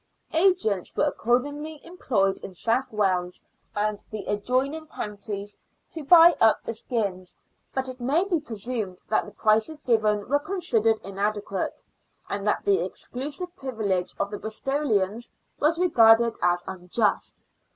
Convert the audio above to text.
Agents were accordingly employed in South Wales and the adjoining counties to buy up the skins, but it may be presumed that the prices given were considered inadequate, and that the exclusive privilege of the Bristolians was regarded as unjust.